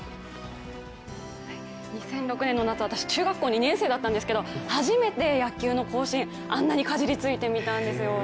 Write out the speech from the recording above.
２００６年の夏、私、中学校２年生だったんですけど初めて野球の甲子園、あんなにかじりついて見たんですよ。